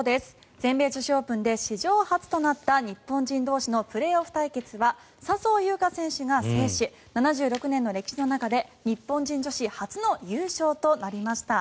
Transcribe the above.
全米女子オープンで史上初となった日本人同士のプレーオフ対決は笹生優花選手が制し７６年の歴史の中で日本人女子初の優勝となりました。